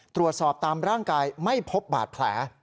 ตรวจสอบตามร่างกายไม่พบบาดแผล